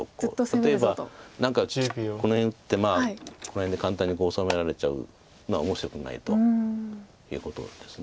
例えば何かこの辺打ってこの辺で簡単に治められちゃうのは面白くないということです。